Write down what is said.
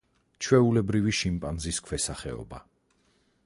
ჩვეულებრივი შიმპანზის ქვესახეობა.